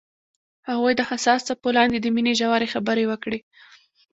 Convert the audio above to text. هغوی د حساس څپو لاندې د مینې ژورې خبرې وکړې.